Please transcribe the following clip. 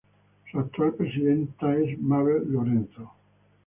Su actual presidenta es Mabel Lorenzo.